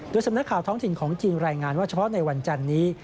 สำนักข่าวท้องถิ่นของจีนรายงานว่าเฉพาะในวันจันนี้